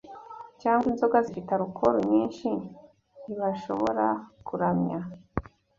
cyangwa inzoga zifite alukoro nyinshi ntibashobora kuramya